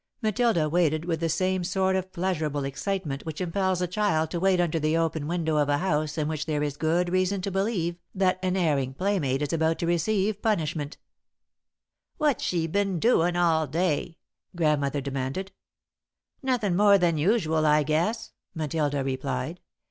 Matilda waited with the same sort of pleasurable excitement which impels a child to wait under the open window of a house in which there is good reason to believe that an erring playmate is about to receive punishment. [Sidenote: Tense Silence] "What's she been doin' all day?" Grandmother demanded. "Nothin' more than usual, I guess," Matilda replied.